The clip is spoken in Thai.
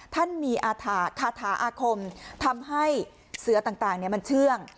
ท่านมีอาถาคาถาอาคมทำให้เสื้อต่างต่างเนี่ยมันเชื่อง